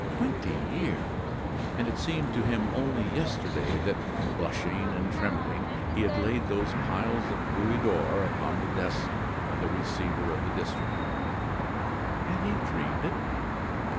Twenty years! And it seemed to him only yesterday that, blushing and trembling, he had laid those piles of louis d'or upon the desk of the receiver of the district. Had he dreamed it?